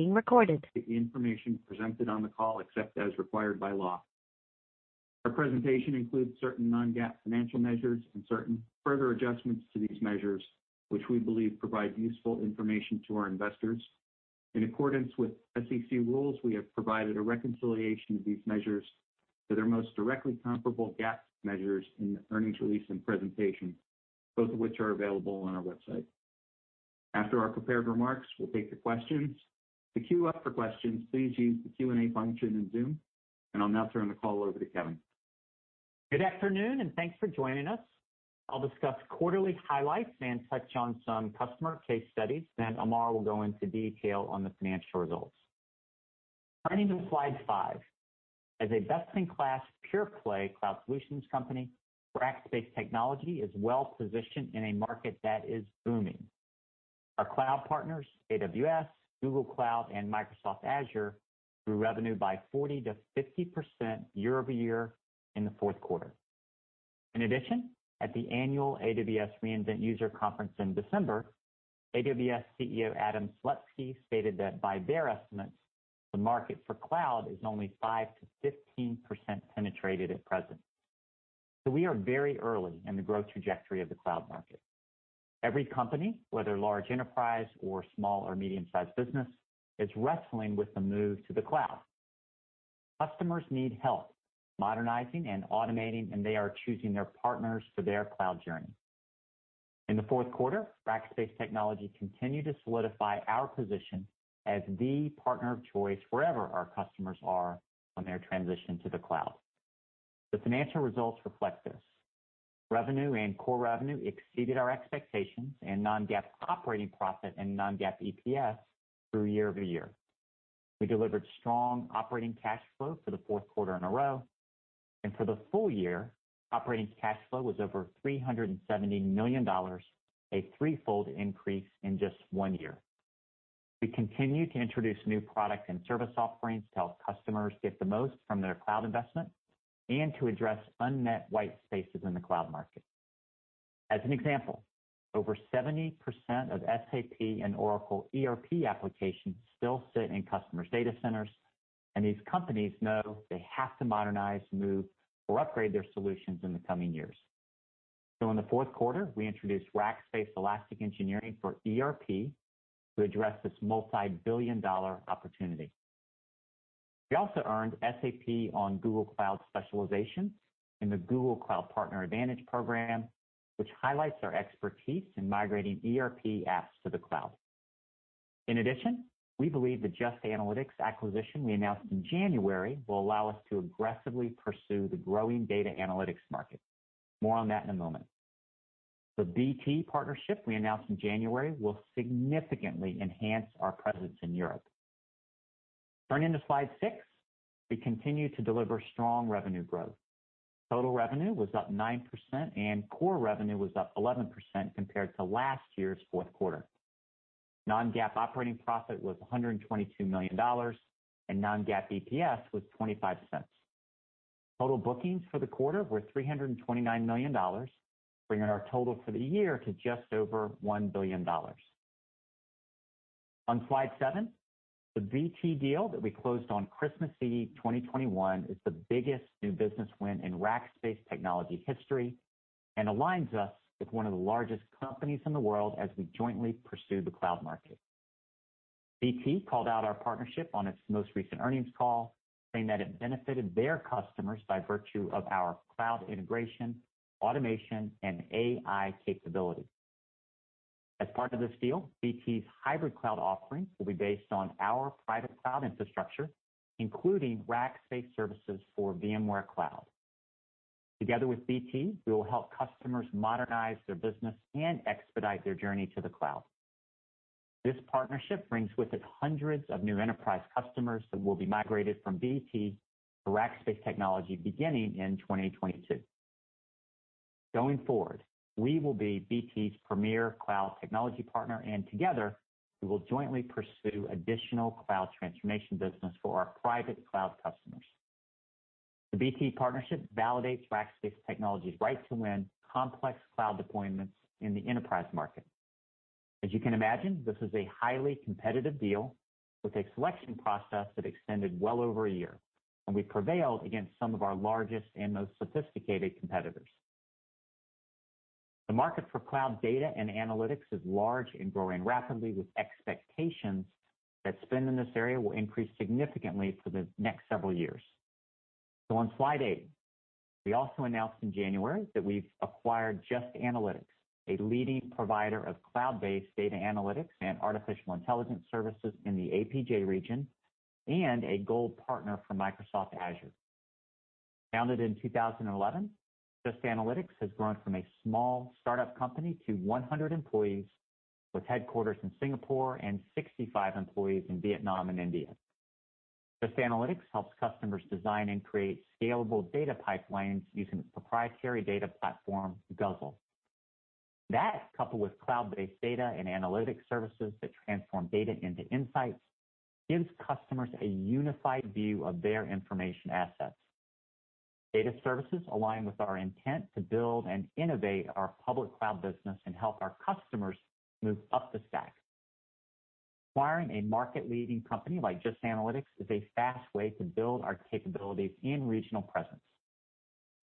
The information presented on the call, except as required by law. Our presentation includes certain non-GAAP financial measures and certain further adjustments to these measures, which we believe provide useful information to our investors. In accordance with SEC rules, we have provided a reconciliation of these measures to their most directly comparable GAAP measures in the earnings release and presentation, both of which are available on our website. After our prepared remarks, we'll take the questions. To queue up for questions, please use the Q&A function in Zoom, and I'll now turn the call over to Kevin. Good afternoon, and thanks for joining us. I'll discuss quarterly highlights and touch on some customer case studies. Amar will go into detail on the financial results. Turning to slide five. As a best-in-class, pure-play cloud solutions company, Rackspace Technology is well-positioned in a market that is booming. Our cloud partners, AWS, Google Cloud, and Microsoft Azure, grew revenue by 40%-50% year-over-year in the fourth quarter. In addition, at the annual AWS re:Invent user conference in December, AWS CEO Adam Selipsky stated that by their estimates, the market for cloud is only 5%-15% penetrated at present. We are very early in the growth trajectory of the cloud market. Every company, whether large enterprise or small or medium-sized business, is wrestling with the move to the cloud. Customers need help modernizing and automating, and they are choosing their partners for their cloud journey. In the fourth quarter, Rackspace Technology continued to solidify our position as the partner of choice wherever our customers are on their transition to the cloud. The financial results reflect this. Revenue and core revenue exceeded our expectations, and non-GAAP operating profit and non-GAAP EPS grew year-over-year. We delivered strong operating cash flow for the fourth quarter in a row, and for the full year, operating cash flow was over $370 million, a threefold increase in just one year. We continue to introduce new product and service offerings to help customers get the most from their cloud investment and to address unmet white spaces in the cloud market. As an example, over 70% of SAP and Oracle ERP applications still sit in customers' data centers, and these companies know they have to modernize, move, or upgrade their solutions in the coming years. In the fourth quarter, we introduced Rackspace Elastic Engineering for ERP to address this multi-billion dollar opportunity. We also earned SAP on Google Cloud specialization in the Google Cloud Partner Advantage Program, which highlights our expertise in migrating ERP apps to the cloud. In addition, we believe the Just Analytics acquisition we announced in January will allow us to aggressively pursue the growing data analytics market. More on that in a moment. The BT partnership we announced in January will significantly enhance our presence in Europe. Turning to slide six, we continue to deliver strong revenue growth. Total revenue was up 9%, and core revenue was up 11% compared to last year's fourth quarter. Non-GAAP operating profit was $122 million, and non-GAAP EPS was $0.25. Total bookings for the quarter were $329 million, bringing our total for the year to just over $1 billion. On slide seven, the BT deal that we closed on Christmas Eve 2021 is the biggest new business win in Rackspace Technology history and aligns us with one of the largest companies in the world as we jointly pursue the cloud market. BT called out our partnership on its most recent earnings call, saying that it benefited their customers by virtue of our cloud integration, automation, and AI capabilities. As part of this deal, BT's hybrid cloud offerings will be based on our private cloud infrastructure, including Rackspace Services for VMware Cloud. Together with BT, we will help customers modernize their business and expedite their journey to the cloud. This partnership brings with it hundreds of new enterprise customers that will be migrated from BT to Rackspace Technology beginning in 2022. Going forward, we will be BT's premier cloud technology partner, and together, we will jointly pursue additional cloud transformation business for our private cloud customers. The BT partnership validates Rackspace Technology's right to win complex cloud deployments in the enterprise market. As you can imagine, this is a highly competitive deal with a selection process that extended well over a year, and we prevailed against some of our largest and most sophisticated competitors. The market for cloud data and analytics is large and growing rapidly, with expectations that spend in this area will increase significantly for the next several years. On slide eight, we also announced in January that we've acquired Just Analytics, a leading provider of cloud-based data analytics and artificial intelligence services in the APJ region and a gold partner for Microsoft Azure. Founded in 2011, Just Analytics has grown from a small startup company to 100 employees, with headquarters in Singapore and 65 employees in Vietnam and India. Just Analytics helps customers design and create scalable data pipelines using its proprietary data platform, Guzzle. That, coupled with cloud-based data and analytics services that transform data into insights, gives customers a unified view of their information assets. Data services align with our intent to build and innovate our public cloud business and help our customers move up the stack. Acquiring a market-leading company like Just Analytics is a fast way to build our capabilities and regional presence.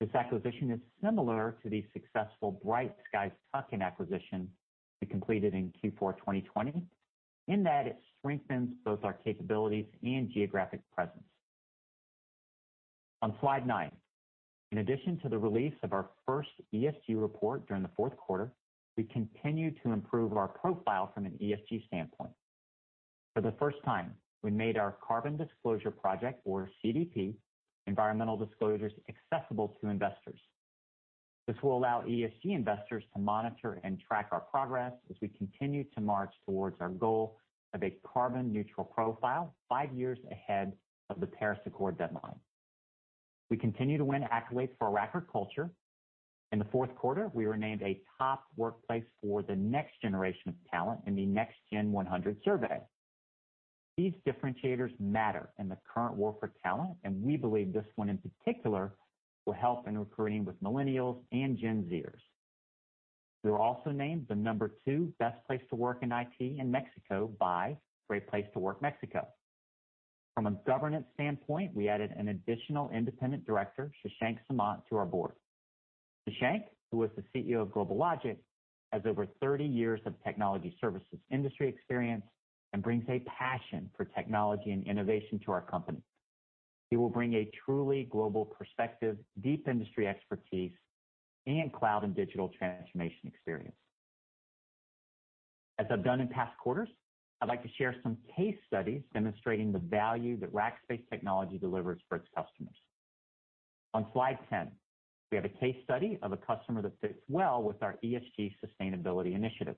This acquisition is similar to the successful Bright Skies tuck-in acquisition we completed in Q4 2020, in that it strengthens both our capabilities and geographic presence. On slide nine. In addition to the release of our first ESG report during the fourth quarter, we continued to improve our profile from an ESG standpoint. For the first time, we made our Carbon Disclosure Project, or CDP, environmental disclosures accessible to investors. This will allow ESG investors to monitor and track our progress as we continue to march towards our goal of a carbon neutral profile five years ahead of the Paris Agreement deadline. We continue to win accolades for Racker Culture. In the fourth quarter, we were named a top workplace for the next generation of talent in the Next Gen 100 survey. These differentiators matter in the current war for talent, and we believe this one, in particular, will help in recruiting with Millennials and Gen Zers. We were also named the number two best place to work in IT in Mexico by Great Place to Work Mexico. From a governance standpoint, we added an additional independent director, Shashank Samant, to our board. Shashank, who is the CEO of GlobalLogic, has over 30 years of technology services industry experience and brings a passion for technology and innovation to our company. He will bring a truly global perspective, deep industry expertise, and cloud and digital transformation experience. As I've done in past quarters, I'd like to share some case studies demonstrating the value that Rackspace Technology delivers for its customers. On slide 10, we have a case study of a customer that fits well with our ESG sustainability initiatives.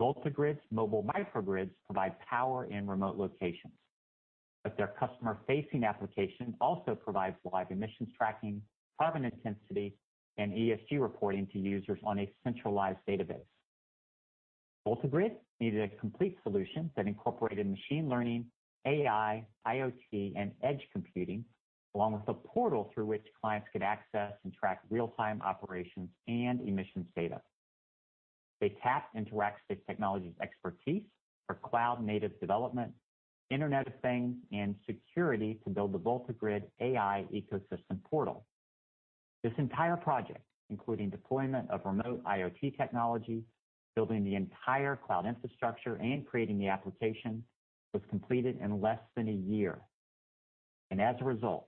VoltaGrid's mobile microgrids provide power in remote locations, but their customer-facing application also provides live emissions tracking, carbon intensity, and ESG reporting to users on a centralized database. VoltaGrid needed a complete solution that incorporated machine learning, AI, IoT, and edge computing, along with a portal through which clients could access and track real-time operations and emissions data. They tapped into Rackspace Technology's expertise for cloud-native development, Internet of Things, and security to build the VoltaGrid AI Ecosystem portal. This entire project, including deployment of remote IoT technology, building the entire cloud infrastructure, and creating the application, was completed in less than a year. As a result,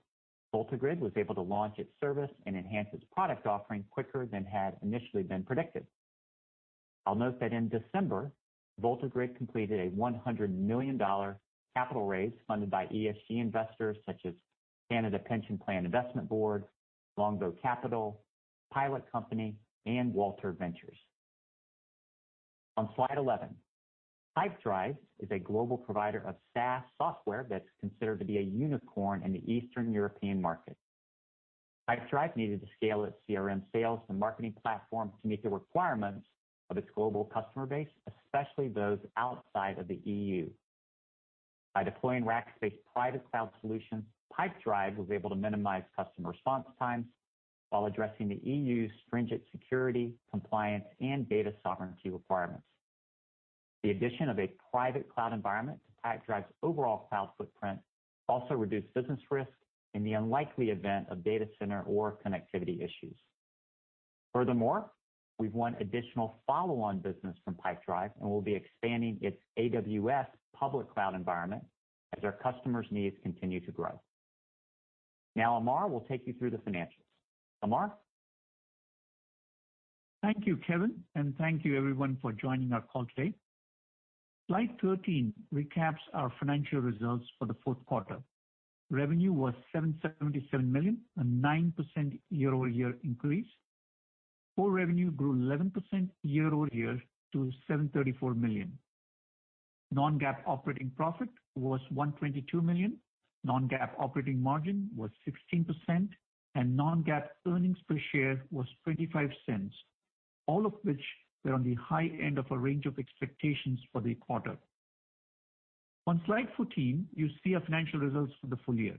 VoltaGrid was able to launch its service and enhance its product offering quicker than had initially been predicted. I'll note that in December, VoltaGrid completed a $100 million capital raise funded by ESG investors such as Canada Pension Plan Investment Board, Longbow Capital, Pilot Company, and Walter Ventures. On slide 11, Pipedrive is a global provider of SaaS software that's considered to be a unicorn in the Eastern European market. Pipedrive needed to scale its CRM sales and marketing platform to meet the requirements of its global customer base, especially those outside of the EU. By deploying Rackspace private cloud solutions, Pipedrive was able to minimize customer response times while addressing the EU's stringent security, compliance, and data sovereignty requirements. The addition of a private cloud environment to Pipedrive's overall cloud footprint also reduced business risk in the unlikely event of data center or connectivity issues. Furthermore, we've won additional follow-on business from Pipedrive and will be expanding its AWS public cloud environment as their customers' needs continue to grow. Now Amar will take you through the financials. Amar? Thank you, Kevin. Thank you everyone for joining our call today. Slide 13 recaps our financial results for the fourth quarter. Revenue was $777 million, a 9% year-over-year increase. Core revenue grew 11% year-over-year to $734 million. Non-GAAP operating profit was $122 million. Non-GAAP operating margin was 16%, and non-GAAP earnings per share was $0.25, all of which were on the high end of a range of expectations for the quarter. On slide 14, you see our financial results for the full year.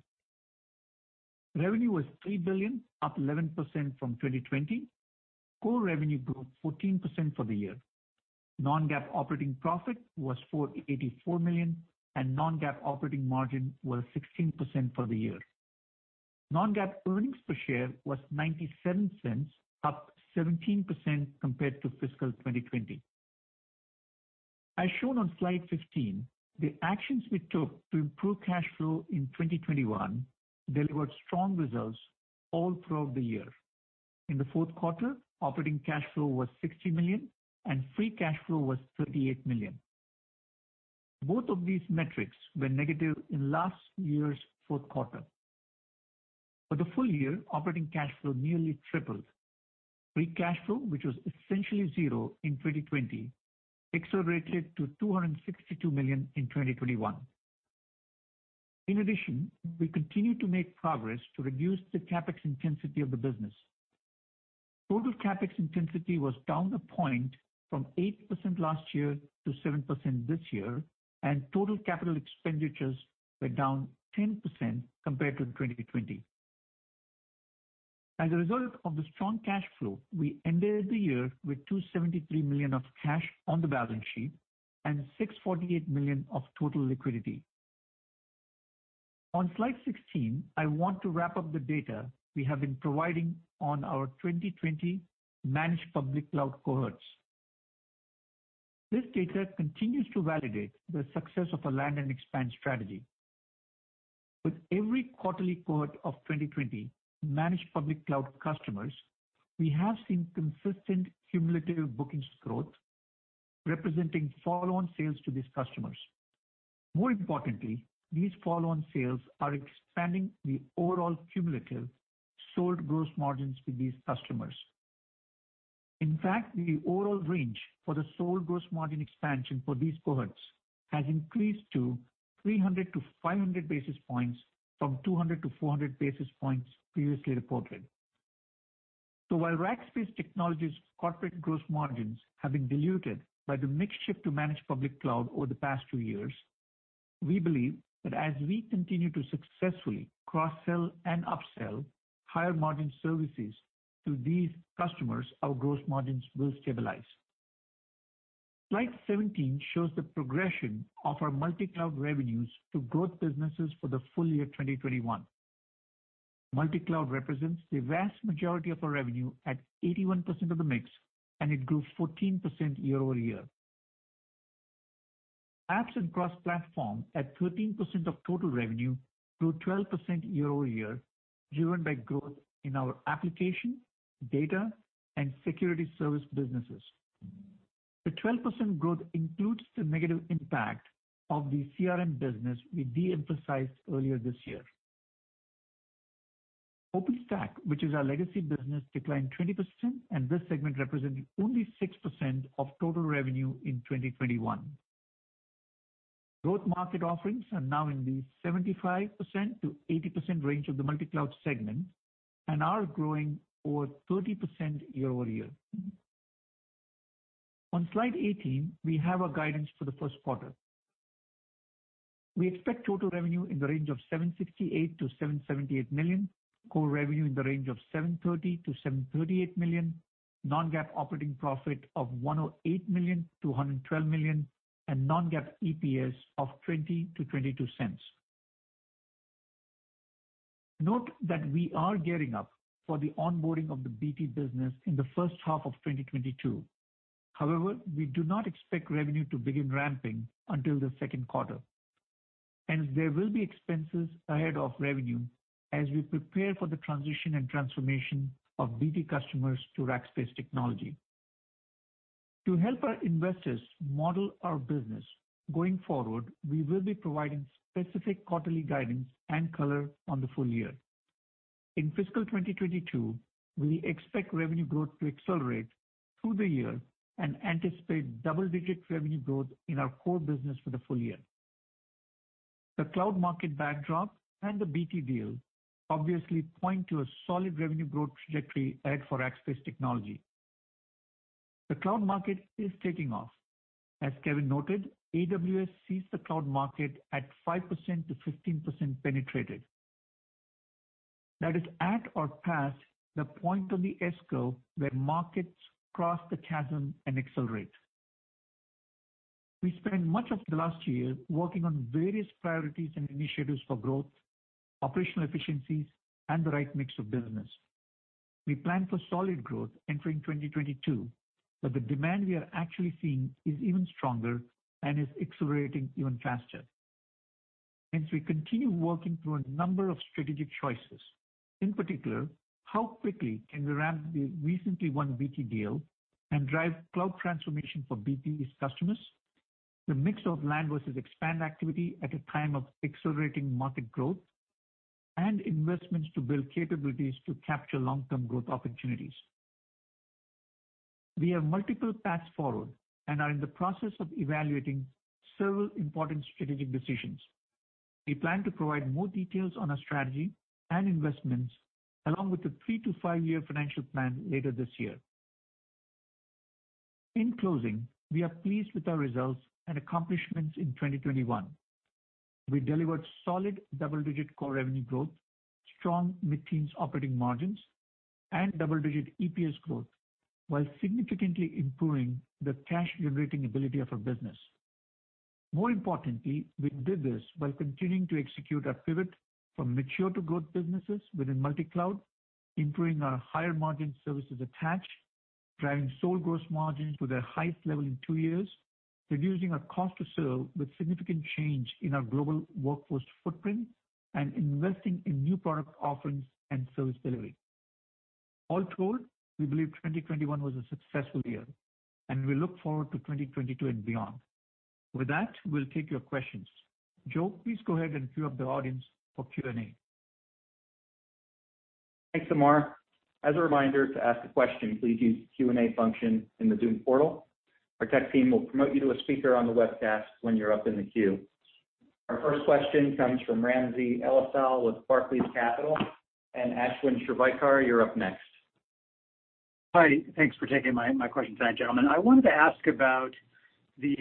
Revenue was $3 billion, up 11% from 2020. Core revenue grew 14% for the year. Non-GAAP operating profit was $484 million, and non-GAAP operating margin was 16% for the year. Non-GAAP earnings per share was $0.97, up 17% compared to fiscal 2020. As shown on slide 15, the actions we took to improve cash flow in 2021 delivered strong results all throughout the year. In the fourth quarter, operating cash flow was $60 million, and free cash flow was $38 million. Both of these metrics were negative in last year's fourth quarter. For the full year, operating cash flow nearly tripled. Free cash flow, which was essentially zero in 2020, accelerated to $262 million in 2021. In addition, we continued to make progress to reduce the CapEx intensity of the business. Total CapEx intensity was down a point from 8% last year to 7% this year, and total capital expenditures were down 10% compared to 2020. As a result of the strong cash flow, we ended the year with $273 million of cash on the balance sheet and $648 million of total liquidity. On slide 16, I want to wrap up the data we have been providing on our 2020 managed public cloud cohorts. This data continues to validate the success of a land and expand strategy. With every quarterly cohort of 2020 managed public cloud customers, we have seen consistent cumulative bookings growth representing follow-on sales to these customers. More importantly, these follow-on sales are expanding the overall cumulative sold gross margins to these customers. In fact, the overall range for the sold gross margin expansion for these cohorts has increased to 300-500 basis points from 200-400 basis points previously reported. While Rackspace Technology's corporate gross margins have been diluted by the mix shift to managed public cloud over the past two years, we believe that as we continue to successfully cross-sell and upsell higher margin services to these customers, our gross margins will stabilize. Slide 17 shows the progression of our multi-cloud revenues to growth businesses for the full year 2021. Multi-cloud represents the vast majority of our revenue at 81% of the mix, and it grew 14% year-over-year. Apps and cross-platform, at 13% of total revenue, grew 12% year-over-year, driven by growth in our application, data, and security service businesses. The 12% growth includes the negative impact of the CRM business we de-emphasized earlier this year. OpenStack, which is our legacy business, declined 20%, and this segment represented only 6% of total revenue in 2021. Growth market offerings are now in the 75%-80% range of the multi-cloud segment and are growing over 30% year-over-year. On slide 18, we have our guidance for the first quarter. We expect total revenue in the range of $768 million-$778 million, core revenue in the range of $730 million-$738 million, non-GAAP operating profit of $108 million-$112 million, and non-GAAP EPS of $0.20-$0.22. Note that we are gearing up for the onboarding of the BT business in the first half of 2022. However, we do not expect revenue to begin ramping until the second quarter, and there will be expenses ahead of revenue as we prepare for the transition and transformation of BT customers to Rackspace Technology. To help our investors model our business going forward, we will be providing specific quarterly guidance and color on the full year. In fiscal 2022, we expect revenue growth to accelerate through the year and anticipate double-digit revenue growth in our core business for the full year. The cloud market backdrop and the BT deal obviously point to a solid revenue growth trajectory ahead for Rackspace Technology. The cloud market is taking off. As Kevin noted, AWS sees the cloud market at 5%-15% penetrated. That is at or past the point on the S-curve where markets cross the chasm and accelerate. We spent much of the last year working on various priorities and initiatives for growth, operational efficiencies, and the right mix of business. We planned for solid growth entering 2022, but the demand we are actually seeing is even stronger and is accelerating even faster. Hence, we continue working through a number of strategic choices. In particular, how quickly can we ramp the recently won BT deal and drive cloud transformation for BT's customers, the mix of land versus expand activity at a time of accelerating market growth, and investments to build capabilities to capture long-term growth opportunities. We have multiple paths forward and are in the process of evaluating several important strategic decisions. We plan to provide more details on our strategy and investments along with the three to five-year financial plan later this year. In closing, we are pleased with our results and accomplishments in 2021. We delivered solid double-digit core revenue growth, strong mid-teens operating margins, and double-digit EPS growth while significantly improving the cash generating ability of our business. More importantly, we did this while continuing to execute our pivot from mature to growth businesses within multi-cloud, improving our higher margin services attached, driving overall gross margins to their highest level in two years, reducing our cost to serve with significant change in our global workforce footprint, and investing in new product offerings and service delivery. All told, we believe 2021 was a successful year, and we look forward to 2022 and beyond. With that, we'll take your questions. Joe, please go ahead and queue up the audience for Q&A. Thanks, Amar. As a reminder, to ask a question, please use the Q&A function in the Zoom portal. Our tech team will promote you to a speaker on the webcast when you're up in the queue. Our first question comes from Raimo Lenschow with Barclays Capital. Ashwin Shirvaikar, you're up next. Hi. Thanks for taking my question tonight, gentlemen. I wanted to ask about the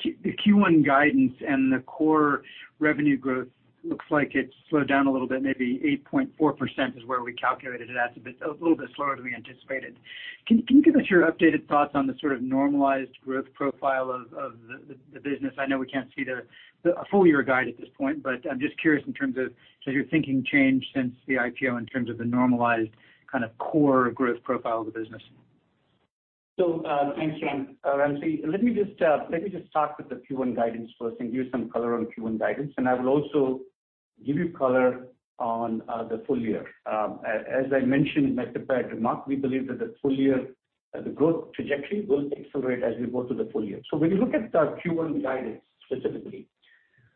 Q1 guidance and the core revenue growth. Looks like it slowed down a little bit, maybe 8.4% is where we calculated it at. A little bit slower than we anticipated. Can you give us your updated thoughts on the sort of normalized growth profile of the business? I know we can't see the full year guide at this point, but I'm just curious in terms of has your thinking changed since the IPO in terms of the normalized kind of core growth profile of the business? Thanks, Raimo. Let me just start with the Q1 guidance first and give some color on Q1 guidance, and I will also give you color on the full year. As I mentioned in my prepared remarks, we believe that the full year the growth trajectory will accelerate as we go through the full year. When you look at our Q1 guidance specifically,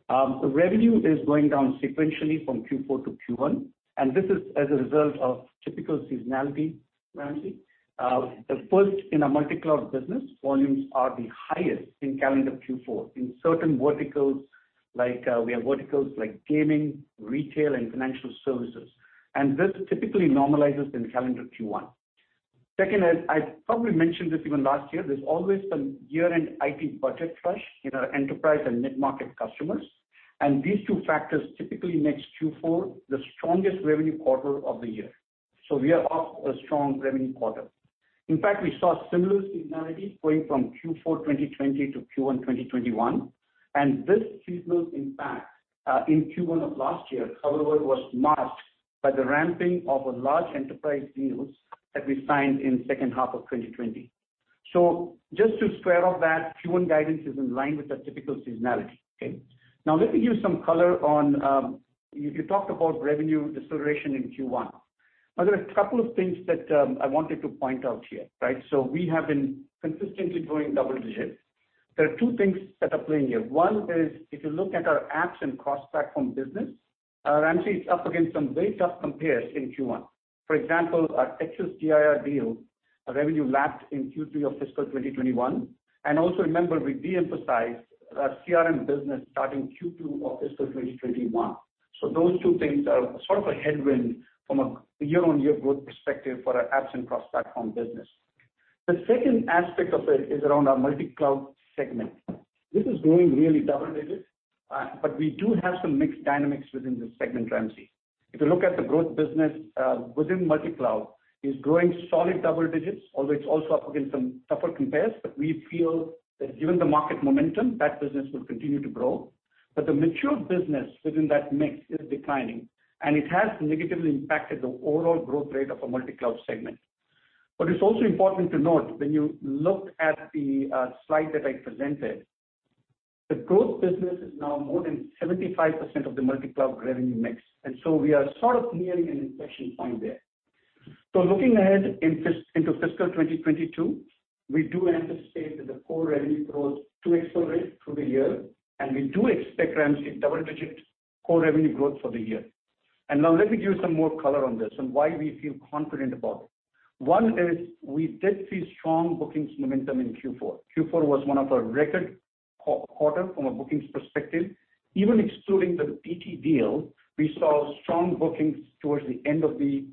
the revenue is going down sequentially from Q4 to Q1, and this is as a result of typical seasonality, Raimo First, in a multi-cloud business, volumes are the highest in calendar Q4 in certain verticals like we have verticals like gaming, retail, and financial services. This typically normalizes in calendar Q1. Second, as I probably mentioned this even last year, there's always some year-end IT budget flush in our enterprise and mid-market customers. These two factors typically makes Q4 the strongest revenue quarter of the year. We are off to a strong revenue quarter. In fact, we saw similar seasonality going from Q4 2020 to Q1 2021, and this seasonal impact in Q1 of last year, however, was masked by the ramping of a large enterprise deals that we signed in second half of 2020. Just to square off that Q1 guidance is in line with the typical seasonality, okay? Now let me give some color on, you talked about revenue deceleration in Q1. Now there are a couple of things that I wanted to point out here, right? We have been consistently growing double digits. There are two things that are playing here. One is if you look at our apps and cross-platform business, Raimo, it's up against some very tough compares in Q1. For example, our Exodus GIR deal, our revenue lapsed in Q3 of fiscal 2021. Also remember, we de-emphasized our CRM business starting Q2 of fiscal 2021. Those two things are sort of a headwind from a year-on-year growth perspective for our apps and cross-platform business. The second aspect of it is around our multi-cloud segment. This is growing really double digits, but we do have some mixed dynamics within this segment, Raimo. If you look at the growth business within multi-cloud, it's growing solid double digits, although it's also up against some tougher compares. We feel that given the market momentum, that business will continue to grow. The mature business within that mix is declining, and it has negatively impacted the overall growth rate of our multi-cloud segment. It's also important to note when you looked at the slide that I presented, the growth business is now more than 75% of the multi-cloud revenue mix. We are sort of nearing an inflection point there. Looking ahead into fiscal 2022, we do anticipate that the core revenue growth to accelerate through the year, and we do expect, Raimo, double-digit core revenue growth for the year. Now let me give you some more color on this and why we feel confident about it. One is we did see strong bookings momentum in Q4. Q4 was one of our record quarter from a bookings perspective. Even excluding the BT deal, we saw strong bookings towards the end of the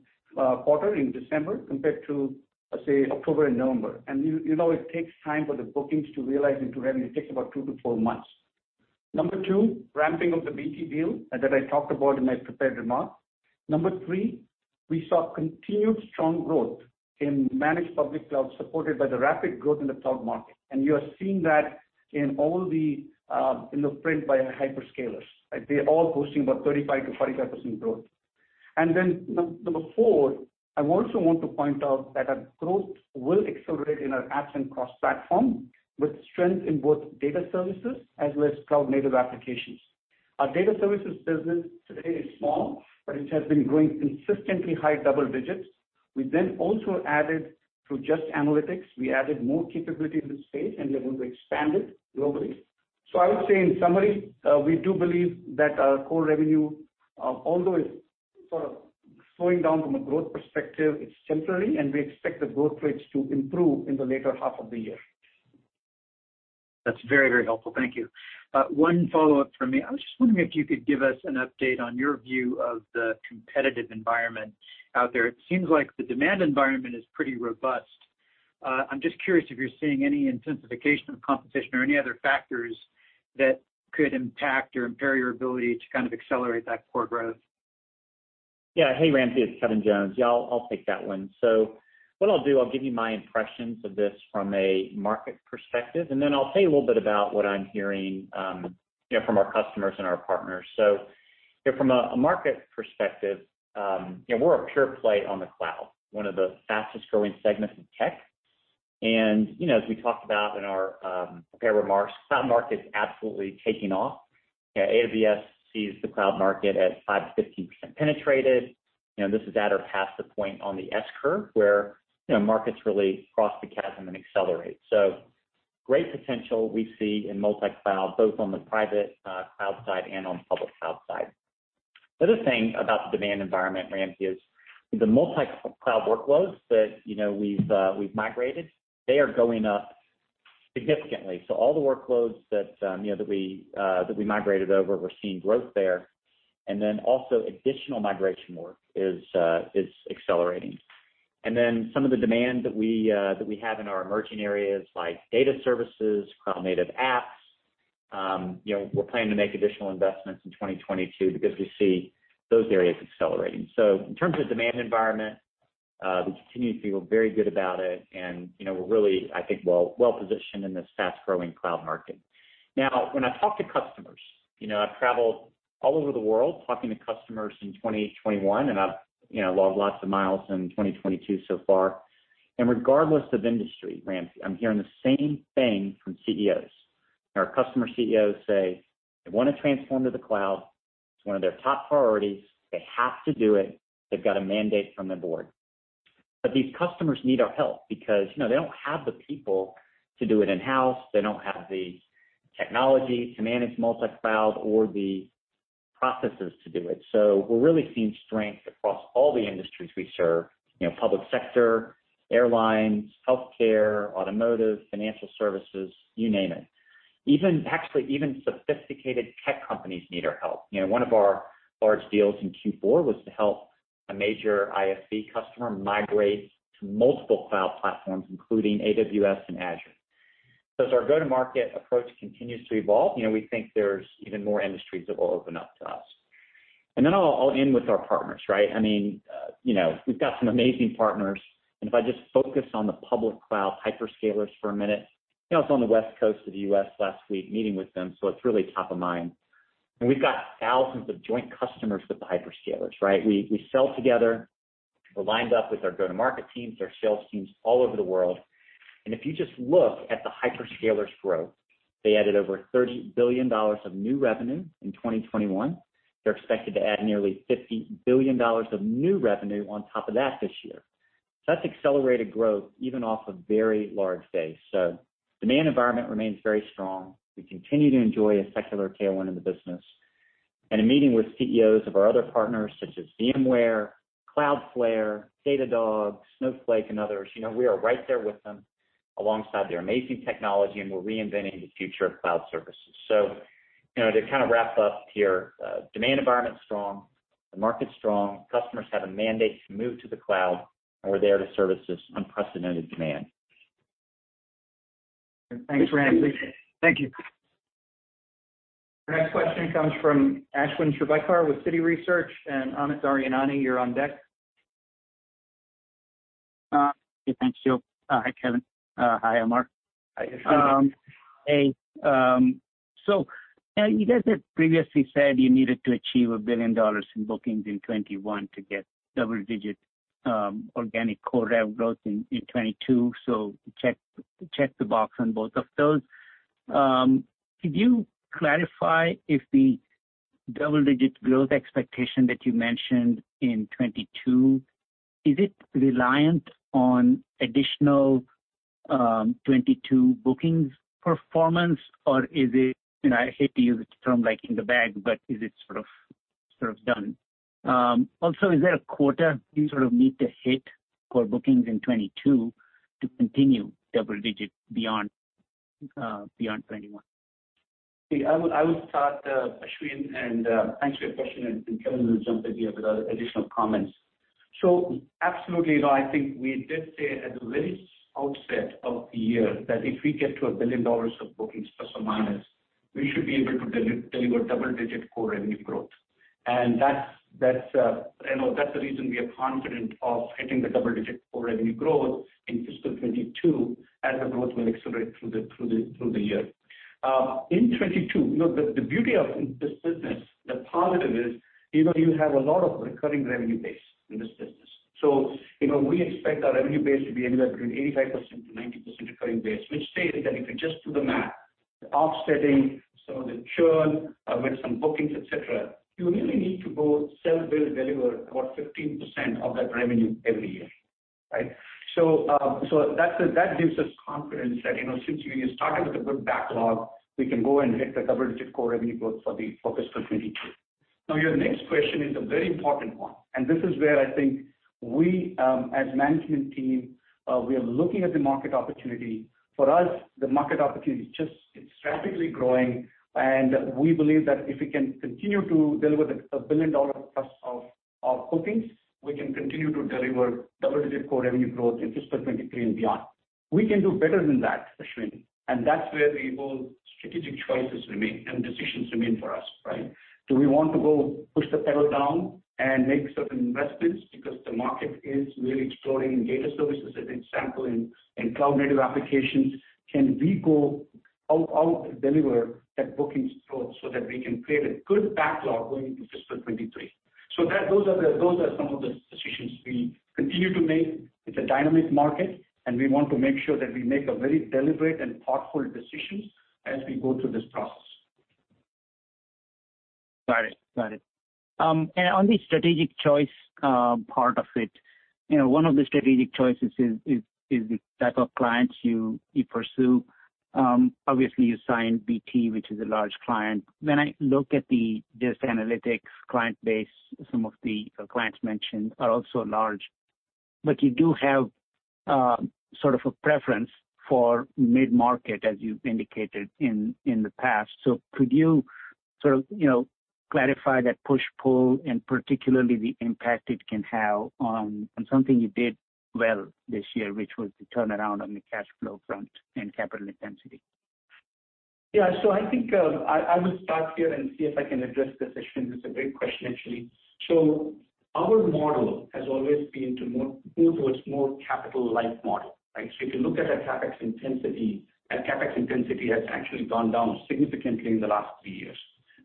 quarter in December compared to, say, October and November. You know, it takes time for the bookings to realize into revenue. It takes about two to four months. Number two, ramping of the BT deal that I talked about in my prepared remarks. Number three, we saw continued strong growth in managed public cloud supported by the rapid growth in the cloud market. You are seeing that in all the print by hyperscalers. Like, they're all posting about 35%-45% growth. Number four, I also want to point out that our growth will accelerate in our apps and cross-platform with strength in both data services as well as cloud native applications. Our data services business today is small, but it has been growing consistently high double digits. We also added to Just Analytics. We added more capability in this space, and we're going to expand it globally. I would say in summary, we do believe that our core revenue, although it's sort of slowing down from a growth perspective, it's temporary, and we expect the growth rates to improve in the later half of the year. That's very, very helpful. Thank you. One follow-up from me. I was just wondering if you could give us an update on your view of the competitive environment out there. It seems like the demand environment is pretty robust. I'm just curious if you're seeing any intensification of competition or any other factors that could impact or impair your ability to kind of accelerate that core growth. Hey, Raimo, it's Kevin Jones. Yeah, I'll take that one. What I'll do, I'll give you my impressions of this from a market perspective, and then I'll tell you a little bit about what I'm hearing, you know, from our customers and our partners. You know, from a market perspective, you know, we're a pure play on the cloud, one of the fastest growing segments in tech. You know, as we talked about in our prepared remarks, cloud market's absolutely taking off. AWS sees the cloud market as 5%-15% penetrated. You know, this is at or past the point on the S-curve where, you know, markets really cross the chasm and accelerate. Great potential we see in multi-cloud, both on the private cloud side and on public cloud side. The other thing about the demand environment, Ramzi, is the multi-cloud workloads that, you know, we've migrated, they are going up significantly. All the workloads that, you know, that we migrated over, we're seeing growth there. Then also additional migration work is accelerating. Then some of the demand that we have in our emerging areas like data services, cloud native apps, you know, we're planning to make additional investments in 2022 because we see those areas accelerating. In terms of demand environment, we continue to feel very good about it and, you know, we're really, I think, well-positioned in this fast-growing cloud market. Now, when I talk to customers, you know, I've traveled all over the world talking to customers in 2021, and I've, you know, logged lots of miles in 2022 so far. Regardless of industry, Ramzi, I'm hearing the same thing from CEOs. Our customer CEOs say they wanna transform to the cloud. It's one of their top priorities. They have to do it. They've got a mandate from their board. But these customers need our help because, you know, they don't have the people to do it in-house. They don't have the technology to manage multi-cloud or the processes to do it. So we're really seeing strength across all the industries we serve, you know, public sector, airlines, healthcare, automotive, financial services, you name it. Actually, even sophisticated tech companies need our help. You know, one of our large deals in Q4 was to help a major ISV customer migrate to multiple cloud platforms, including AWS and Azure. As our go-to-market approach continues to evolve, you know, we think there's even more industries that will open up to us. I'll end with our partners, right? I mean, you know, we've got some amazing partners. If I just focus on the public cloud hyperscalers for a minute. You know, I was on the West Coast of the U.S. last week meeting with them, so it's really top of mind. We've got thousands of joint customers with the hyperscalers, right? We sell together. We're lined up with our go-to-market teams, their sales teams all over the world. If you just look at the hyperscalers growth, they added over $30 billion of new revenue in 2021. They're expected to add nearly $50 billion of new revenue on top of that this year. That's accelerated growth, even off a very large base. Demand environment remains very strong. We continue to enjoy a secular tailwind in the business. In meeting with CEOs of our other partners, such as VMware, Cloudflare, Datadog, Snowflake, and others, you know, we are right there with them alongside their amazing technology, and we're reinventing the future of cloud services. You know, to kind of wrap up here, demand environment's strong, the market's strong. Customers have a mandate to move to the cloud, and we're there to service this unprecedented demand. Thanks, Kevin. Thank you. Our next question comes from Ashwin Shirvaikar with Citi Research. Amit Daryanani, you're on deck. Okay, thanks, Joe. Hi, Kevin. Hi, Amar. Hi, Ashwin. Hey, you guys had previously said you needed to achieve $1 billion in bookings in 2021 to get double-digit organic core rev growth in 2022. Check the box on both of those. Could you clarify if the double-digit growth expectation that you mentioned in 2022 is reliant on additional 2022 bookings performance or is it, and I hate to use the term like in the bag, but is it sort of done? Also, is there a quota you sort of need to hit for bookings in 2022 to continue double-digit beyond 2021? I would start, Ashwin, and thanks for your question, and Kevin will jump in here with other additional comments. Absolutely, no, I think we did say at the very outset of the year that if we get to $1 billion of bookings plus or minus, we should be able to deliver double-digit core revenue growth. That's you know that's the reason we are confident of hitting the double-digit core revenue growth in fiscal 2022 as the growth will accelerate through the year. In 2022, you know, the beauty of this business, the positive is, you know, you have a lot of recurring revenue base in this business. You know, we expect our revenue base to be anywhere between 85%-90% recurring base, which states that if you just do the math, to offset some of the churn with some bookings, et cetera, you really need to go sell, build, deliver about 15% of that revenue every year, right? That gives us confidence that, you know, since you started with a good backlog, we can go and hit the double-digit core revenue growth for fiscal 2022. Now, your next question is a very important one, and this is where I think we, as management team, we are looking at the market opportunity. For us, the market opportunity just is rapidly growing, and we believe that if we can continue to deliver a billion dollar plus of bookings, we can continue to deliver double-digit core revenue growth in fiscal 2023 and beyond. We can do better than that, Ashwin, and that's where the whole strategic choices remain and decisions remain for us, right? Do we want to go push the pedal down and make certain investments because the market is really exploding in data services, as an example, in cloud native applications? Can we go out deliver that bookings growth so that we can create a good backlog going into fiscal 2023? Those are some of the decisions we continue to make. It's a dynamic market, and we want to make sure that we make very deliberate and thoughtful decisions as we go through this process. Got it. On the strategic choice, part of it, you know, one of the strategic choices is the type of clients you pursue. Obviously you signed BT, which is a large client. When I look at the Just Analytics client base, some of the clients mentioned are also large. You do have sort of a preference for mid-market as you indicated in the past. Could you sort of, you know, clarify that push-pull and particularly the impact it can have on something you did well this year, which was the turnaround on the cash flow front and capital intensity? Yeah. I think I will start here and see if I can address this, Ashwin. It's a great question, actually. Our model has always been to move towards more capital light model, right? If you look at our CapEx intensity, our CapEx intensity has actually gone down significantly in the last three years.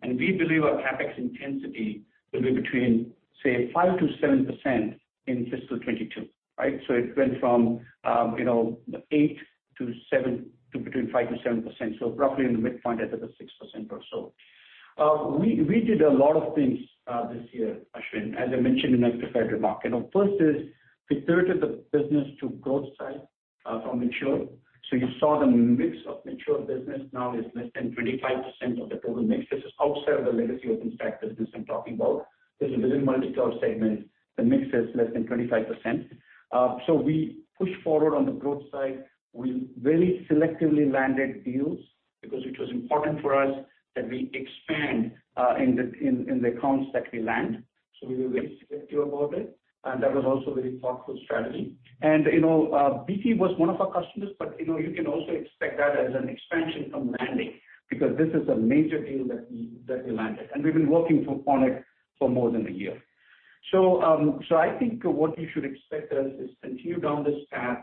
We believe our CapEx intensity will be between, say, 5%-7% in fiscal 2022, right? It went from eight to between 5%-7%, so roughly in the midpoint at about 6% or so. We did a lot of things this year, Ashwin, as I mentioned in my prepared remark. You know, first is we pivoted the business to growth side from mature. You saw the mix of mature business now is less than 25% of the total mix. This is outside of the legacy OpenStack business I'm talking about. This is within multi-cloud segment, the mix is less than 25%. We pushed forward on the growth side. We very selectively landed deals because it was important for us that we expand in the accounts that we land. We were very selective about it, and that was also very thoughtful strategy. You know, BT was one of our customers, but you know, you can also expect that as an expansion from landing because this is a major deal that we landed. We've been working on it for more than a year. I think what you should expect us is continue down this path,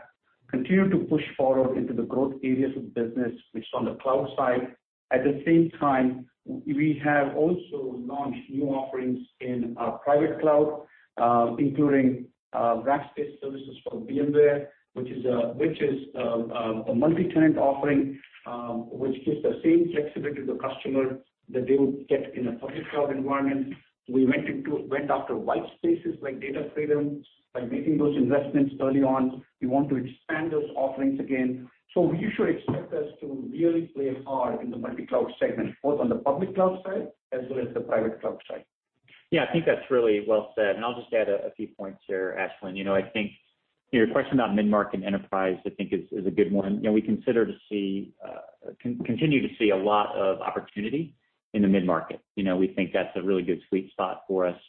continue to push forward into the growth areas of the business, which is on the cloud side. At the same time, we have also launched new offerings in private cloud, including Rackspace Services for VMware Cloud, which is a multi-tenant offering, which gives the same flexibility to the customer that they would get in a public cloud environment. We went after white spaces like Data Freedom by making those investments early on. We want to expand those offerings again. You should expect us to really play hard in the multi-cloud segment, both on the public cloud side as well as the private cloud side. Yeah. I think that's really well said, and I'll just add a few points there, Ashwin. You know, I think your question about mid-market enterprise I think is a good one. You know, we continue to see a lot of opportunity in the mid-market. You know, we think that's a really good sweet spot for us.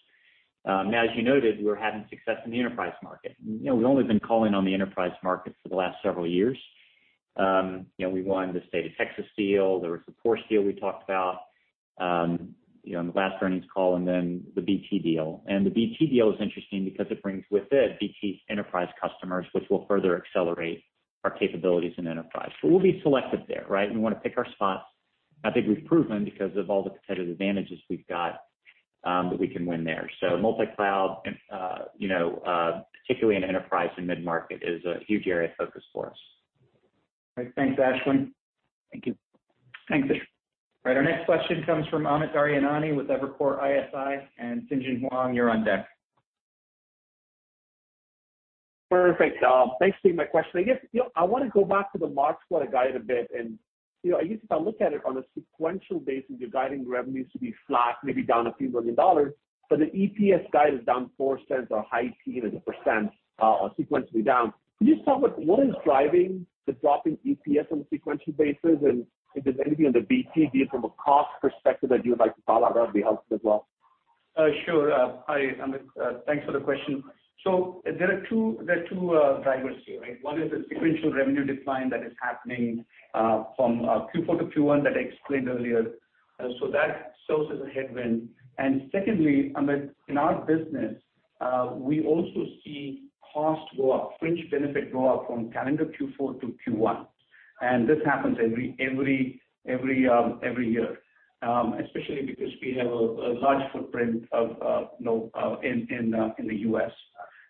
As you noted, we're having success in the enterprise market. You know, we've only been calling on the enterprise market for the last several years. You know, we won the State of Texas deal. There was the poor deal we talked about, you know, in the last earnings call, and then the BT deal. The BT deal is interesting because it brings with it BT's enterprise customers, which will further accelerate our capabilities in enterprise. We'll be selective there, right? We wanna pick our spots. I think we've proven because of all the competitive advantages we've got, that we can win there. Multi-cloud and, you know, particularly in enterprise and mid-market is a huge area of focus for us. Right. Thanks, Ashwin. Thank you. Thanks you. All right. Our next question comes from Amit Daryanani with Evercore ISI, and Xinjun Huang, you're on deck. Perfect. Thanks for taking my question. I guess, you know, I wanna go back to the margins for the guidance a bit. You know, I guess if I look at it on a sequential basis, you're guiding revenues to be flat, maybe down a few million dollars, but the EPS guide is down $0.04 or high teens% sequentially. Can you just talk about what is driving the drop in EPS on a sequential basis? If there's anything on the BT deal from a cost perspective that you would like to call out, that would be helpful as well. Sure. Hi, Amit. Thanks for the question. There are two drivers here, right? One is the sequential revenue decline that is happening from Q4 to Q1 that I explained earlier. That serves as a headwind. Secondly, Amit, in our business, we also see costs go up, fringe benefit go up from calendar Q4 to Q1, and this happens every year, especially because we have a large footprint, you know, in the U.S.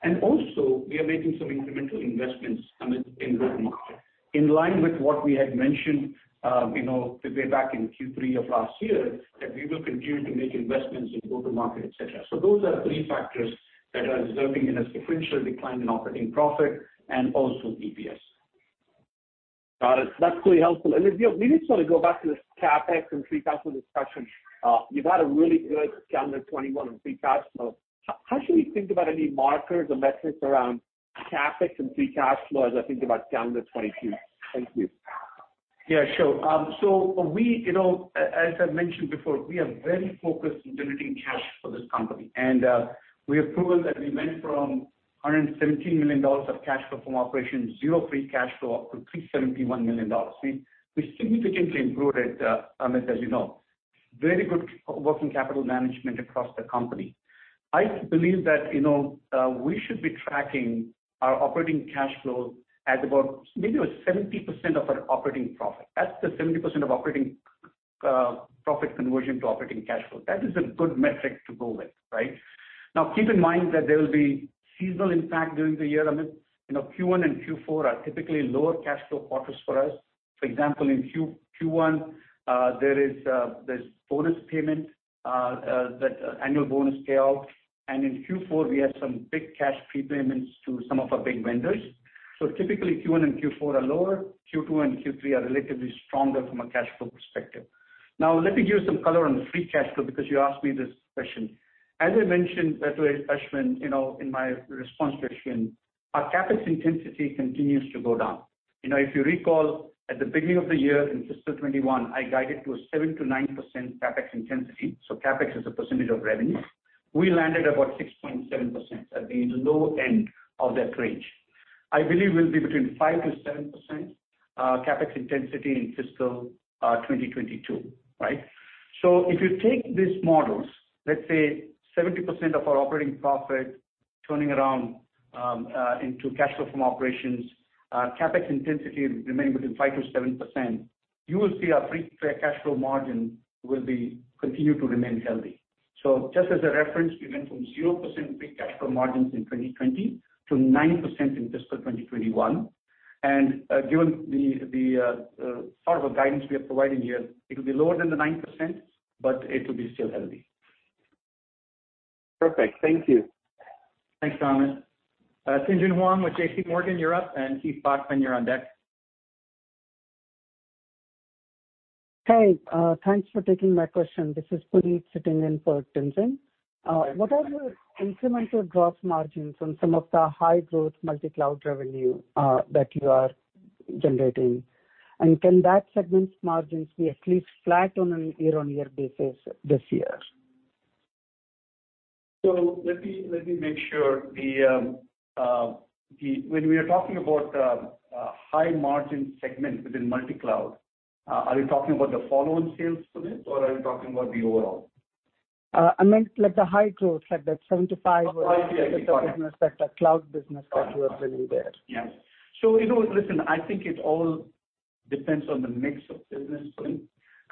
We are making some incremental investments, Amit, in growth market in line with what we had mentioned, you know, the way back in Q3 of last year, that we will continue to make investments in growth market, et cetera. Those are three factors that are resulting in a sequential decline in operating profit and also EPS. Got it. That's really helpful. You know, maybe just wanna go back to this CapEx and free cash flow discussion. You've had a really good calendar 2021 in free cash flow. How should we think about any markers or metrics around CapEx and free cash flow as I think about calendar 2022? Thank you. Yeah, sure. So we, you know, as I mentioned before, we are very focused in generating cash for this company. We have proven that we went from $117 million of cash flow from operations, 0 free cash flow, up to $371 million. We significantly improved it, Amit, as you know. Very good working capital management across the company. I believe that, you know, we should be tracking our operating cash flow at about maybe 70% of our operating profit. That's the 70% of operating profit conversion to operating cash flow. That is a good metric to go with, right? Now, keep in mind that there will be seasonal impact during the year, Amit. You know, Q1 and Q4 are typically lower cash flow quarters for us. For example, in Q1, there's bonus payment that annual bonus payout. In Q4, we have some big cash prepayments to some of our big vendors. Typically, Q1 and Q4 are lower. Q2 and Q3 are relatively stronger from a cash flow perspective. Now let me give you some color on the free cash flow, because you asked me this question. As I mentioned, by the way, Ashwin, you know, in my response to Ashwin, our CapEx intensity continues to go down. You know, if you recall, at the beginning of the year in fiscal 2021, I guided to a 7%-9% CapEx intensity, so CapEx as a percentage of revenue. We landed about 6.7% at the low end of that range. I believe we'll be between 5%-7% CapEx intensity in fiscal 2022, right? If you take these models, let's say 70% of our operating profit turning around into cash flow from operations, CapEx intensity remaining between 5%-7%, you will see our free cash flow margin will be continue to remain healthy. Just as a reference, we went from 0% free cash flow margins in 2020 to 9% in fiscal 2021. Given the sort of guidance we are providing here, it'll be lower than the 9%, but it will be still healthy. Perfect. Thank you. Thanks, Amit. Xinjun Huang with JPMorgan, you're up, and Keith Bachman, you're on deck. Hey, thanks for taking my question. This is Puneet sitting in for Xinjun. What are your incremental gross margins on some of the high growth multi-cloud revenue that you are generating? Can that segment's margins be at least flat on a year-on-year basis this year? Let me make sure when we are talking about high margin segments within multi-cloud, are you talking about the follow-on sales for this, or are you talking about the overall? I meant like the high growth, like that 7%-5%. Oh, I see. Got it. Business, that cloud business that you have been there. Yeah. You know, listen, I think it all depends on the mix of business,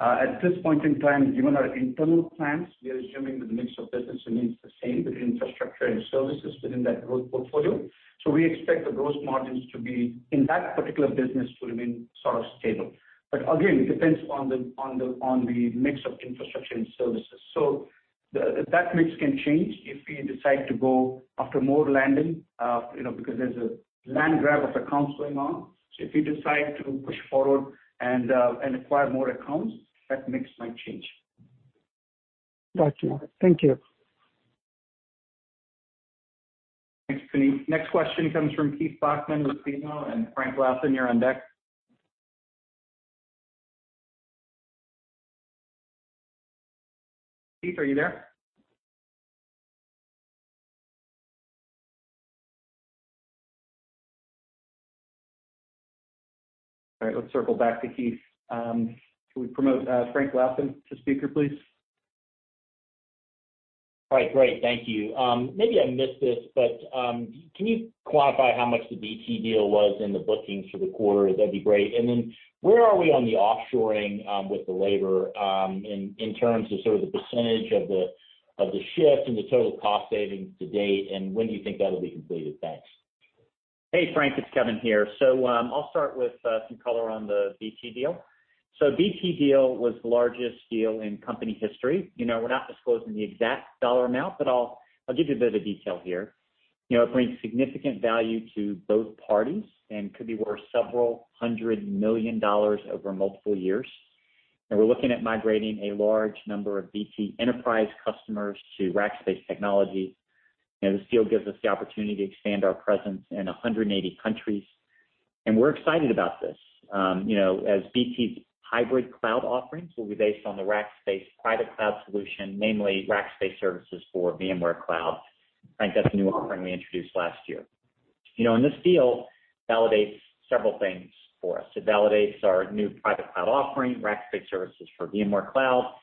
Puneet. At this point in time, given our internal plans, we are assuming that the mix of business remains the same between infrastructure and services within that growth portfolio. We expect the gross margins to be, in that particular business, to remain sort of stable. Again, it depends on the mix of infrastructure and services. That mix can change if we decide to go after more landing, you know, because there's a land grab of accounts going on. If we decide to push forward and acquire more accounts, that mix might change. Gotcha. Thank you. Thanks, Puneet. Next question comes from Keith Bachman with BMO, and Frank Louthan, you're on deck. Keith, are you there? All right, let's circle back to Keith. Can we promote Frank Louthan to speaker, please? All right. Great. Thank you. Maybe I missed this, but can you quantify how much the BT deal was in the bookings for the quarter? That'd be great. Where are we on the offshoring with the labor in terms of sort of the percentage of the shift and the total cost savings to date, and when do you think that'll be completed? Thanks. Hey, Frank, it's Kevin here. I'll start with some color on the BT deal. BT deal was the largest deal in company history. You know, we're not disclosing the exact dollar amount, but I'll give you a bit of detail here. You know, it brings significant value to both parties and could be worth $several hundred million over multiple years. We're looking at migrating a large number of BT enterprise customers to Rackspace Technology. You know, this deal gives us the opportunity to expand our presence in 180 countries. We're excited about this. You know, BT's hybrid cloud offerings will be based on the Rackspace private cloud solution, namely Rackspace Services for VMware Cloud. Frank, that's a new offering we introduced last year. You know, this deal validates several things for us. It validates our new private cloud offering, Rackspace Services for VMware Cloud.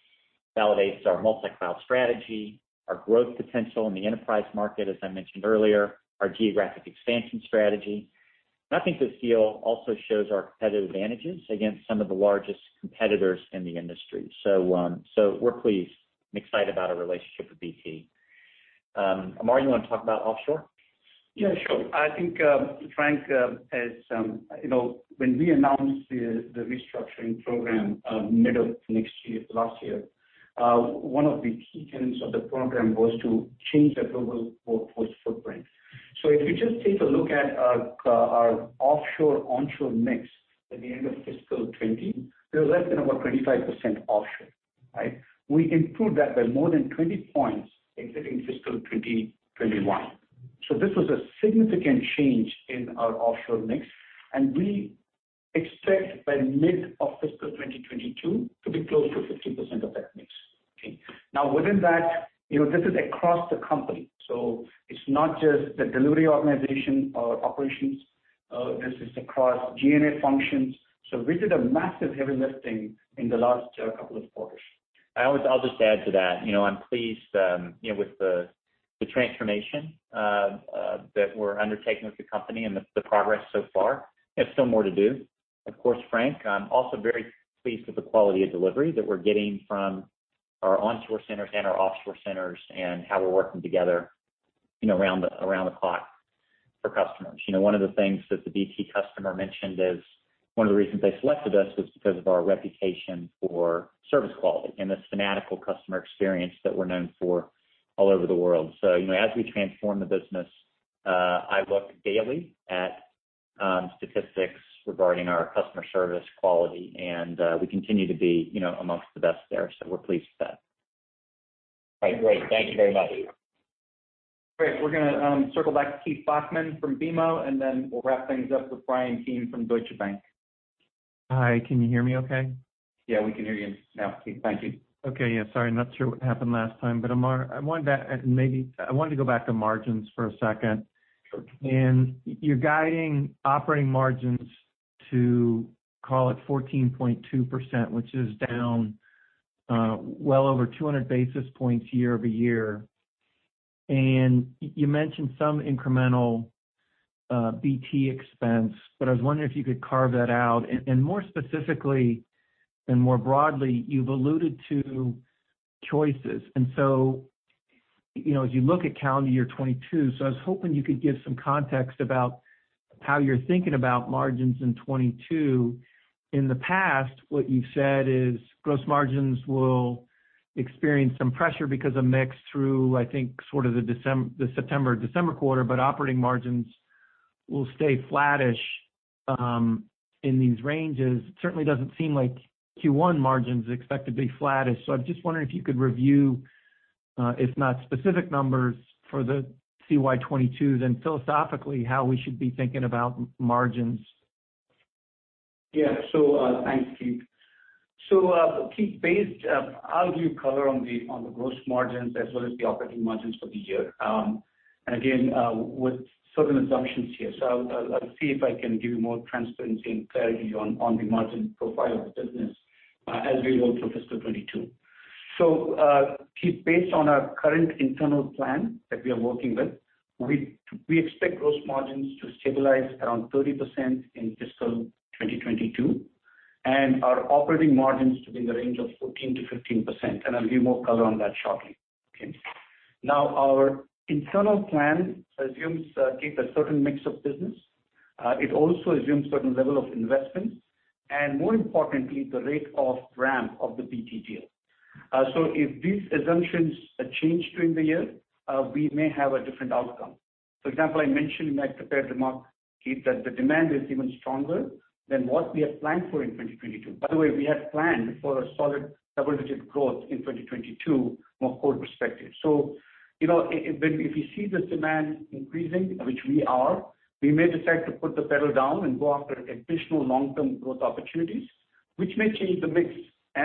It validates our multi-cloud strategy, our growth potential in the enterprise market, as I mentioned earlier, our geographic expansion strategy. I think this deal also shows our competitive advantages against some of the largest competitors in the industry. We're pleased and excited about our relationship with BT. Amar, you wanna talk about offshore? Yeah, sure. I think, Frank, as you know, when we announced the restructuring program, last year, one of the key tenets of the program was to change the global workforce footprint. If you just take a look at our offshore-onshore mix at the end of fiscal 2020, there was less than about 25% offshore, right? We improved that by more than 20 points exiting fiscal 2021. This was a significant change in our offshore mix, and we expect by mid of fiscal 2022 to be close to 50% of that mix, okay? Now, within that, you know, this is across the company, so it's not just the delivery organization or operations. This is across G&A functions. We did a massive heavy lifting in the last couple of quarters. I'll just add to that. You know, I'm pleased with the transformation that we're undertaking with the company and the progress so far. We have still more to do. Of course, Frank, I'm also very pleased with the quality of delivery that we're getting from our onshore centers and our offshore centers and how we're working together, you know, around the clock for customers. You know, one of the things that the BT customer mentioned is one of the reasons they selected us was because of our reputation for service quality and the fanatical customer experience that we're known for all over the world. You know, as we transform the business, I look daily at-. Statistics regarding our customer service quality, and we continue to be, you know, among the best there. We're pleased with that. Right. Great. Thank you very much. Great. We're gonna circle back to Keith Bachman from BMO, and then we'll wrap things up with Bryan Keane from Deutsche Bank. Hi, can you hear me okay? Yeah, we can hear you now, Keith. Thank you. Okay. Yeah, sorry, not sure what happened last time. Amar, I wanted to go back to margins for a second. You're guiding operating margins to, call it 14.2%, which is down well over 200 basis points year-over-year. You mentioned some incremental BT expense, but I was wondering if you could carve that out. More specifically, and more broadly, you've alluded to choices. You know, as you look at calendar year 2022, I was hoping you could give some context about how you're thinking about margins in 2022. In the past, what you've said is gross margins will experience some pressure because of mix through, I think, sort of the September-December quarter, but operating margins will stay flattish in these ranges. Certainly doesn't seem like Q1 margin is expected to be flattish. I'm just wondering if you could review, if not specific numbers for the CY 2022 and philosophically, how we should be thinking about margins. Thanks, Keith. I'll give you color on the gross margins as well as the operating margins for the year with certain assumptions here. I'll see if I can give you more transparency and clarity on the margin profile of the business as we go through fiscal 2022. Keith, based on our current internal plan that we are working with, we expect gross margins to stabilize around 30% in fiscal 2022, and our operating margins to be in the range of 14%-15%, and I'll give you more color on that shortly. Our internal plan assumes, Keith, a certain mix of business. It also assumes certain level of investments, and more importantly, the rate of ramp of the BT deal. If these assumptions change during the year, we may have a different outcome. For example, I mentioned in my prepared remarks, Keith, that the demand is even stronger than what we had planned for in 2022. By the way, we had planned for a solid double-digit growth in 2022 from a core perspective. You know, if you see this demand increasing, which we are, we may decide to put the pedal down and go after additional long-term growth opportunities, which may change the mix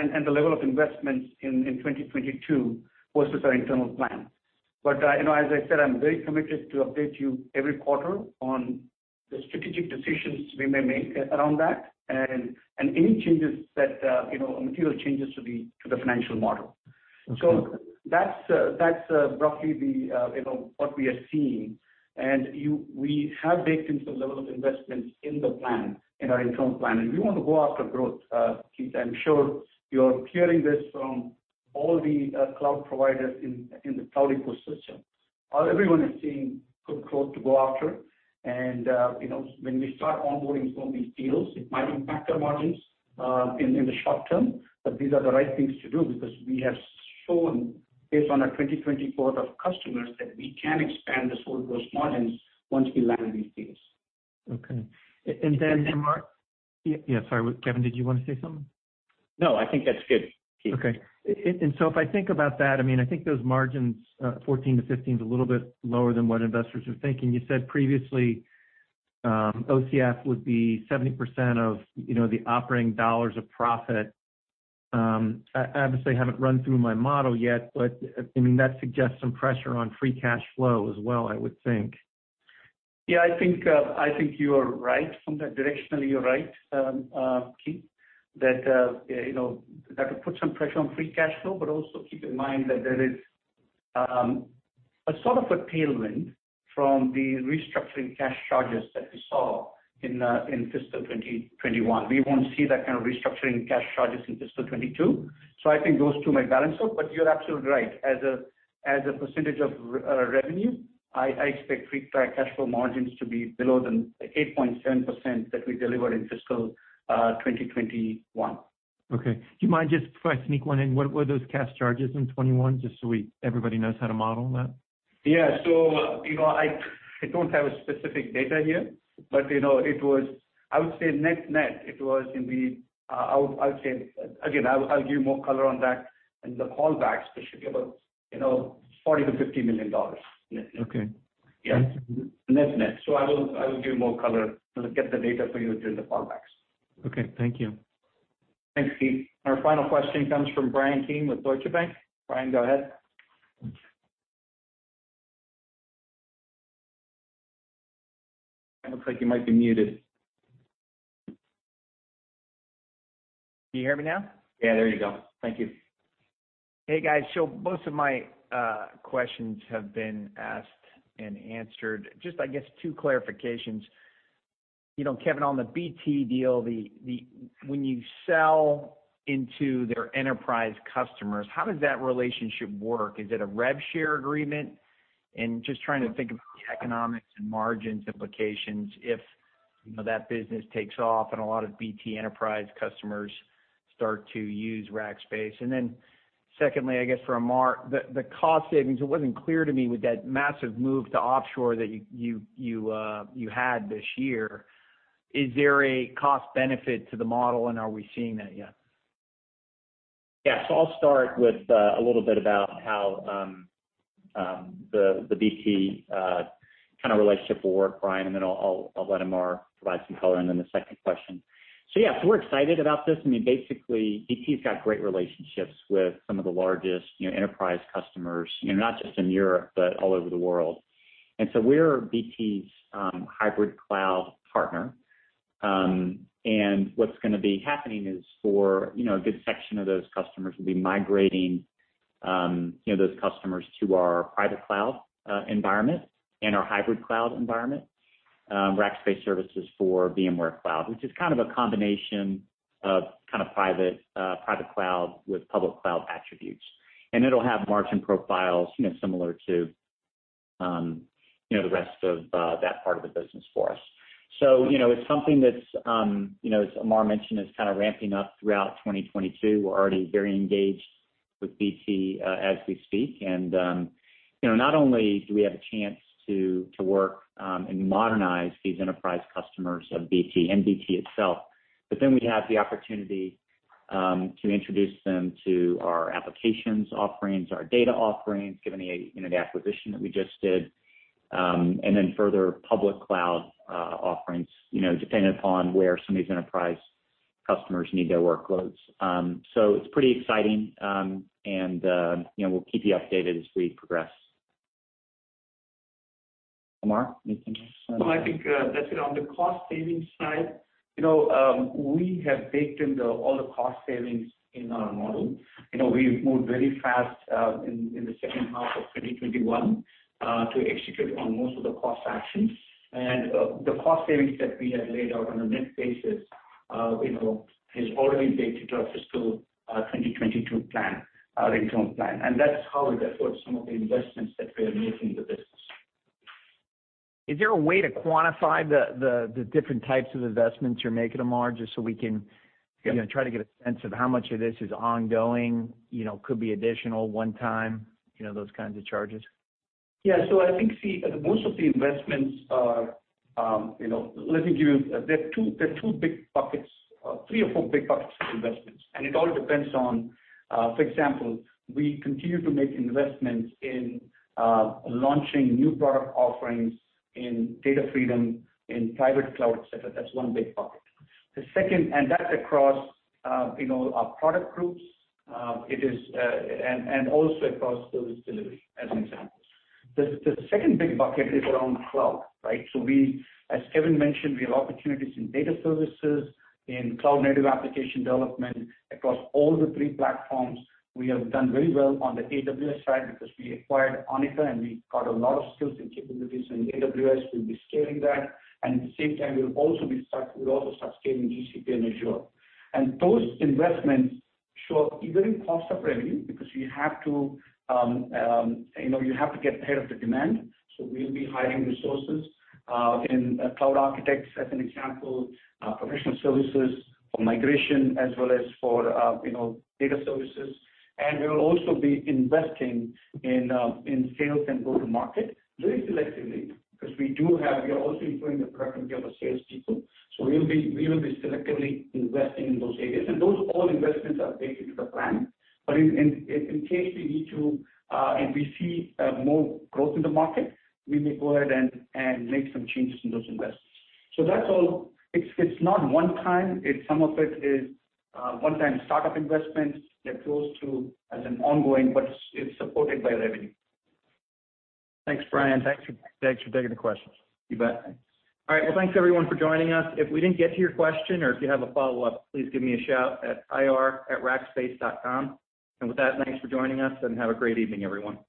and the level of investments in 2022 versus our internal plan. You know, as I said, I'm very committed to update you every quarter on the strategic decisions we may make around that and any changes that, you know, material changes to the financial model. Okay. That's roughly the, you know, what we are seeing. We have baked in some level of investments in the plan, in our internal plan. We want to go after growth, Keith. I'm sure you're hearing this from all the cloud providers in the cloud ecosystem. Everyone is seeing good growth to go after. You know, when we start onboarding some of these deals, it might impact our margins in the short term. These are the right things to do because we have shown based on our 2020 cohort of customers that we can expand the sold gross margins once we land these deals. Okay. Amar- And then- Yeah, yeah, sorry. Kevin, did you wanna say something? No, I think that's good, Keith. If I think about that, I mean, I think those margins 14%-15% is a little bit lower than what investors are thinking. You said previously, OCF would be 70% of, you know, the operating dollars of profit. I obviously haven't run through my model yet, but, I mean, that suggests some pressure on free cash flow as well, I would think. Yeah. I think you are right. Directionally, you're right, Keith, that you know, that could put some pressure on free cash flow. Also keep in mind that there is a sort of a tailwind from the restructuring cash charges that we saw in fiscal 2021. We won't see that kind of restructuring cash charges in fiscal 2022. I think those two might balance out, but you're absolutely right. As a percentage of revenue, I expect free cash flow margins to be below the 8.7% that we delivered in fiscal 2021. Okay. Do you mind just if I sneak one in? What were those cash charges in 2021, just so we, everybody knows how to model that? You know, I don't have a specific data here, but you know, it was. I would say net-net, it was in the I would say. Again, I'll give you more color on that in the call backs, but it should be about you know, $40 million-$50 million net-net. Okay. Yeah. Net-net. I will give you more color. We'll get the data for you during the call backs. Okay. Thank you. Thanks, Keith. Our final question comes from Bryan Keane with Deutsche Bank. Brian, go ahead. It looks like you might be muted. Can you hear me now? Yeah, there you go. Thank you. Hey, guys. Most of my questions have been asked and answered. Just, I guess, two clarifications. You know, Kevin, on the BT deal, when you sell into their enterprise customers, how does that relationship work? Is it a rev share agreement? Just trying to think about the economics and margins implications if, you know, that business takes off and a lot of BT enterprise customers start to use Rackspace. Then secondly, I guess for Amar, the cost savings, it wasn't clear to me with that massive move to offshore that you had this year, is there a cost benefit to the model and are we seeing that yet? Yeah. I'll start with a little bit about how the BT kind of relationship will work, Brian, and then I'll let Amar provide some color and then the second question. Yeah, we're excited about this. I mean, basically, BT's got great relationships with some of the largest, you know, enterprise customers, you know, not just in Europe, but all over the world. We're BT's hybrid cloud partner. And what's gonna be happening is for a good section of those customers will be migrating those customers to our private cloud environment and our hybrid cloud environment, Rackspace Services for VMware Cloud, which is kind of a combination of kind of private private cloud with public cloud attributes. It'll have margin profiles, you know, similar to, the rest of, that part of the business for us. It's something that's, as Amar mentioned, kind of ramping up throughout 2022. We're already very engaged with BT, as we speak. Not only do we have a chance to work and modernize these enterprise customers of BT and BT itself, but we have the opportunity to introduce them to our applications offerings, our data offerings, given the acquisition that we just did, and then further public cloud offerings, you know, depending upon where some of these enterprise customers need their workloads. It's pretty exciting, and, we'll keep you updated as we progress. Amar, anything else? No, I think that's it. On the cost savings side, you know, we have baked in all the cost savings in our model. You know, we moved very fast in the second half of 2021 to execute on most of the cost actions. The cost savings that we had laid out on a net basis, you know, is already baked into our fiscal 2022 plan, our income plan. That's how we'll afford some of the investments that we are making in the business. Is there a way to quantify the different types of investments you're making, Amar, just so we can, you know, try to get a sense of how much of this is ongoing, you know, could be additional, one time, you know, those kinds of charges? Yeah. I think most of the investments are, you know, let me give you. There are two big buckets, three or four big buckets of investments, and it all depends on, for example, we continue to make investments in launching new product offerings in Data Freedom, in private cloud, et cetera. That's one big bucket. That's across, you know, our product groups. It is, and also across service delivery as examples. The second big bucket is around cloud, right? We, as Kevin mentioned, have opportunities in data services, in cloud-native application development across all the three platforms. We have done very well on the AWS side because we acquired Onica and we got a lot of skills and capabilities in AWS. We'll be scaling that. At the same time, we'll also start scaling GCP and Azure. Those investments show even in cost of revenue because you have to, you know, you have to get ahead of the demand. We'll be hiring resources in cloud architects as an example, professional services for migration as well as for, you know, data services. We will also be investing in sales and go-to-market very selectively, because we do have, we are also improving the productivity of our sales people. We will be selectively investing in those areas. Those all investments are baked into the plan. In case we need to, if we see more growth in the market, we may go ahead and make some changes in those investments. That's all. It's not one time. Some of it is one time start-up investments. They're close to as an ongoing, but it's supported by revenue. Thanks, Bryan. Thanks for taking the questions. You bet. All right. Well, thanks everyone for joining us. If we didn't get to your question or if you have a follow-up, please give me a shout at ir@rackspace.com. With that, thanks for joining us and have a great evening, everyone.